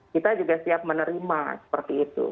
kita juga siap menerima seperti itu